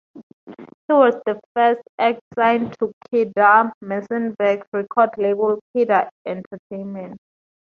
He was the first act signed to Kedar Massenburg's record label, Kedar Entertainment.